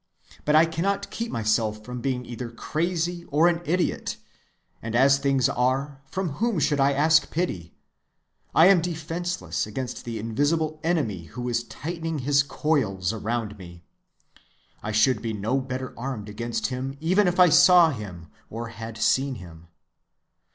But I cannot keep myself from being either crazy or an idiot; and, as things are, from whom should I ask pity? I am defenseless against the invisible enemy who is tightening his coils around me. I should be no better armed against him even if I saw him, or had seen him.